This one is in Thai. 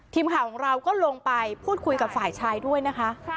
ทีมข่าวของเราก็ลงไปพูดคุยกับฝ่ายชายด้วยนะคะ